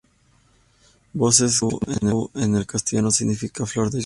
Voces quechua que en castellano significa Flor de Yauli.